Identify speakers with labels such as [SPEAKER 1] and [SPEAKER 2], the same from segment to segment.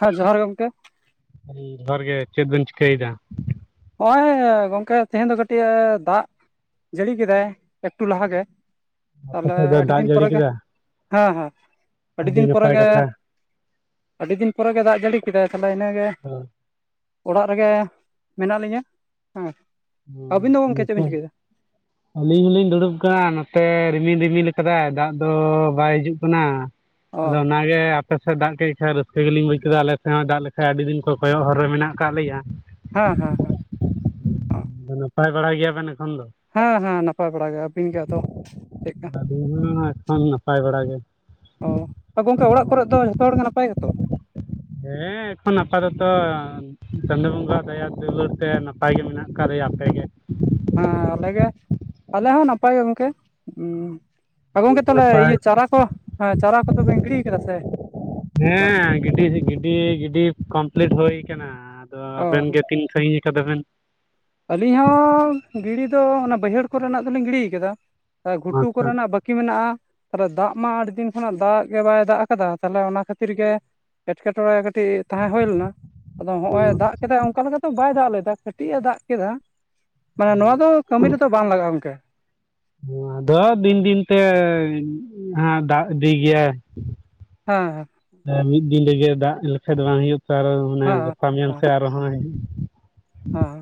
[SPEAKER 1] ᱦᱮᱸ ᱡᱚᱦᱟᱨ ᱜᱮ ᱜᱚᱢᱠᱮ᱾
[SPEAKER 2] ᱦᱩᱸ ᱡᱚᱦᱟᱨ ᱜᱮ ᱪᱮᱫ ᱵᱮᱧ ᱪᱤᱠᱟᱹᱭ ᱫᱟ?
[SPEAKER 1] ᱱᱚᱜᱼᱚᱭ ᱜᱚᱝᱠᱮ ᱛᱮᱦᱤᱧ ᱫᱚ ᱠᱟᱹᱴᱤᱡ ᱫᱟᱜ ᱡᱟᱹᱲᱤ ᱠᱮᱫᱟᱭ ᱮᱠᱴᱩ ᱞᱟᱦᱟ ᱜᱮ,
[SPEAKER 2] ᱟᱯᱮ
[SPEAKER 1] ᱛᱟᱦᱞᱮ
[SPEAKER 2] ᱥᱮᱫ ᱫᱚ
[SPEAKER 1] ᱟᱹᱰᱤ
[SPEAKER 2] ᱫᱟᱜ
[SPEAKER 1] ᱫᱤᱱ
[SPEAKER 2] ᱡᱟᱹᱲᱤ
[SPEAKER 1] ᱯᱚᱨᱮᱜᱮ
[SPEAKER 2] ᱠᱮᱫᱟ
[SPEAKER 1] ᱦᱮᱸ ᱦᱮᱸ᱾
[SPEAKER 2] ᱟᱹᱰᱤ
[SPEAKER 1] ᱫᱤᱱ ᱯᱚᱨᱮ
[SPEAKER 2] ᱱᱟᱯᱟᱭ
[SPEAKER 1] ᱜᱮ
[SPEAKER 2] ᱠᱟᱛᱷᱟ᱾
[SPEAKER 1] ᱟᱹᱰᱤ ᱫᱤᱱ ᱯᱚᱨᱮᱜᱮ ᱫᱟᱜ ᱡᱟᱹᱲᱤ ᱠᱮᱫᱟᱭ ᱛᱟᱦᱞᱮ ᱤᱱᱟᱹᱜᱮ
[SPEAKER 2] ᱦᱳ
[SPEAKER 1] ᱚᱲᱟᱜ ᱨᱮᱜᱮ ᱢᱮᱱᱟᱜ ᱞᱤᱧᱟᱹ ᱦᱮᱸ᱾
[SPEAKER 2] ᱦᱩ
[SPEAKER 1] ᱟᱹᱵᱤᱱ ᱫᱚ ᱜᱚᱢᱠᱮ ᱪᱮᱫ
[SPEAKER 2] ᱱᱚᱛᱮ
[SPEAKER 1] [inaudible]
[SPEAKER 2] ᱟᱹᱞᱤᱧ ᱦᱚᱞᱤᱧ ᱫᱩᱲᱩᱵ ᱠᱟᱱᱟ ᱱᱚᱛᱮ ᱨᱤᱢᱤᱞ ᱨᱤᱢᱤᱞ ᱟᱠᱟᱫᱟᱭ ᱫᱟᱜ ᱫᱚ ᱵᱟᱭ ᱦᱤᱡᱩᱜ ᱠᱟᱱᱟ᱾
[SPEAKER 1] ᱚ
[SPEAKER 2] ᱟᱫᱚ ᱚᱱᱟ ᱠᱮ ᱟᱯᱮ ᱥᱮᱫ ᱫᱟᱜ ᱠᱮᱜ ᱠᱷᱟᱡ ᱨᱟᱹᱥᱠᱟᱹ ᱜᱮᱞᱤᱧ ᱵᱩᱡᱽ ᱠᱮᱫᱟ, ᱟᱞᱮ ᱥᱮᱜ ᱦᱚᱸ ᱫᱟᱜ ᱞᱮᱠᱷᱟᱡ ᱟᱹᱰᱤ ᱫᱤᱱ ᱠᱷᱚᱡ ᱠᱚᱭᱚᱜ ᱦᱚᱨ ᱨᱮ ᱢᱮᱱᱟᱜ ᱠᱟᱜ ᱞᱮᱭᱟ᱾
[SPEAKER 1] ᱦᱮᱸ ᱦᱮᱸ ᱦᱮᱸ
[SPEAKER 2] ᱟᱫᱚ ᱱᱟᱯᱟᱭ ᱵᱟᱲᱟ ᱜᱮᱭᱟᱵᱮᱱ ᱮᱠᱷᱚᱱ ᱫᱚ?
[SPEAKER 1] ᱦᱮᱸ ᱦᱮᱸ ᱱᱟᱯᱟᱭ ᱵᱟᱲᱟ ᱜᱮ ᱟᱹᱵᱤᱱ ᱜᱮ ᱟᱫᱚ ᱪᱮᱫᱠᱟ
[SPEAKER 2] ᱟ. ᱞᱤᱧ ᱦᱚᱸ ᱮᱠᱷᱚᱱ ᱱᱟᱯᱟᱭ ᱵᱟᱲᱟ ᱜᱮ᱾
[SPEAKER 1] ᱚ ᱛᱚ ᱜᱚᱝᱠᱮ ᱚᱲᱟᱜ ᱠᱚᱨᱮᱜ ᱫᱚ ᱡᱷᱚᱛᱚ ᱦᱚᱲᱜᱮ ᱱᱟᱯᱟᱭ ᱜᱮᱛᱚ?
[SPEAKER 2] ᱦᱮᱸ ᱮᱠᱷᱚᱱ ᱟᱯᱟᱛᱚᱛᱚ ᱪᱟᱸᱫᱳ ᱵᱚᱸᱜᱟ ᱫᱟᱭᱟ ᱫᱩᱞᱟᱹᱲ ᱛᱮ ᱱᱟᱯᱟᱭ ᱜᱮ ᱢᱮᱱᱟᱜ ᱠᱟᱜ ᱞᱮᱭᱟ, ᱟᱯᱮᱜᱮ?
[SPEAKER 1] ᱦᱮᱸ ᱟᱞᱮ ᱜᱮ, ᱟᱞᱮ ᱦᱚᱸ ᱱᱟᱯᱟᱭ ᱜᱚᱝᱠᱮ᱾ ᱩᱸ ᱚ ᱜᱚᱝᱠᱮ ᱛᱟᱦᱞᱮ
[SPEAKER 2] ᱱᱟᱯᱟᱭ
[SPEAKER 1] ᱤᱭᱟᱹ ᱪᱟᱨᱟ ᱠᱚ ᱦᱮᱸ ᱪᱟᱨᱟ ᱠᱚᱫᱚ ᱵᱤᱱ ᱜᱤᱲᱤᱭ ᱠᱟᱫᱟ ᱥᱮ? ᱵᱟᱝ
[SPEAKER 2] ᱦᱮᱸ ᱜᱤᱰᱤ ᱜᱤᱰᱤ ᱜᱤᱰᱤ ᱠᱚᱢᱯᱞᱤᱴ ᱦᱳᱭ ᱠᱟᱱᱟ, ᱟᱫᱚ
[SPEAKER 1] ᱚ
[SPEAKER 2] ᱟᱵᱮᱱ ᱜᱮ ᱛᱤᱱ ᱥᱟᱺᱜᱤᱧ? ᱠᱟᱫᱟ ᱵᱮᱱ?
[SPEAKER 1] ᱟᱹᱞᱤᱧ ᱦᱚᱸ ᱜᱤᱲᱤ ᱫᱚ ᱚᱱᱟ ᱵᱟᱹᱭᱦᱟᱹᱲ ᱠᱚᱨᱮᱱᱟᱜ ᱫᱚᱞᱤᱧ ᱜᱤᱲᱤᱭ ᱠᱟᱫᱟ᱾ ᱮ ᱜᱷᱩᱴᱩ
[SPEAKER 2] ᱟᱪᱪᱷᱟ ᱦᱮᱸ,
[SPEAKER 1] ᱠᱚᱨᱮᱱᱟᱜ ᱵᱟᱹᱠᱤ ᱢᱮᱱᱟᱜᱼᱟ᱾ ᱛᱟᱦᱞᱮ ᱫᱟᱜ ᱢᱟ ᱟᱰᱤ ᱫᱤᱱ ᱠᱷᱚᱱᱟᱜ ᱫᱟᱜ ᱜᱮ ᱵᱟᱭ ᱫᱟᱜ ᱠᱟᱫᱟ ᱛᱟᱦᱞᱮ ᱚᱱᱟ ᱠᱷᱟᱛᱤᱨ ᱜᱮ ᱮᱴᱠᱮᱴᱚᱬᱮ ᱴᱤ ᱛᱟᱸᱦᱮᱸ ᱦᱩᱭ ᱞᱮᱱᱟ, ᱟᱫᱚ ᱦᱚᱸᱜᱼᱚᱭ ᱫᱟᱜ ᱠᱮᱫᱟᱭ ᱚᱝᱠᱟ ᱞᱮᱠᱟ ᱫᱚ ᱵᱟᱭ ᱫᱟᱜ ᱞᱮᱫᱟ ᱠᱟᱴᱤᱡ ᱮ ᱫᱟᱜ ᱠᱮᱫᱟ ᱢᱟᱱᱮ ᱱᱚᱣᱟ ᱫᱚ ᱠᱟᱹᱢᱤ ᱨᱮᱫᱚ ᱵᱟᱝ ᱞᱟᱜᱟᱜᱼᱟ ᱜᱚᱝᱠᱮ᱾
[SPEAKER 2] ᱟᱫᱚ ᱫᱤᱱ ᱫᱤᱱ ᱛᱮ ᱦᱟᱸᱜ ᱫᱟᱜ ᱤᱫᱤᱭ ᱜᱮᱭᱟᱭ᱾
[SPEAKER 1] ᱦᱮᱸ ᱦᱮᱸ
[SPEAKER 2] ᱮ ᱢᱤᱫ ᱫᱤᱱ ᱨᱮᱜᱮ ᱫᱟᱜ ᱞᱮᱠᱷᱟᱡ ᱫᱚ ᱵᱟᱝ ᱦᱩᱭᱩᱜ ᱛᱚ ᱟᱨᱚ ᱚᱱᱮ ᱜᱟᱯᱟ ᱢᱮᱭᱟᱝ
[SPEAKER 1] ᱦᱮᱸ
[SPEAKER 2] ᱥᱮ ᱟᱨᱦᱚᱸᱭ
[SPEAKER 1] ᱦᱮᱸ